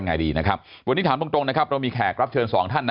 ยังไงดีนะครับวันนี้ถามตรงนะครับเรามีแขกรับเชิญสองท่านนะ